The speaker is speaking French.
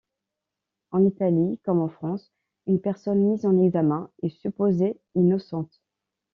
En Italie comme en France, une personne mise en examen est supposée innocente.